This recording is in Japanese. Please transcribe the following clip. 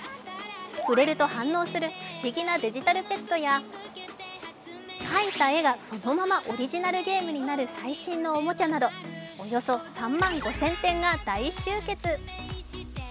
触れると反応する不思議なデジタルペットや描いた絵がそのままオリジナルゲームになる最新のおもちゃなど、およそ３万５０００点が大集結。